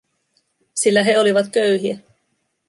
Sillä he olivat köyhiä.